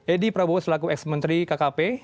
edy prabowo selaku eks menteri kkp